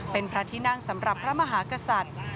เป็นพระที่นั่งสำหรับพระมหากษัตริย์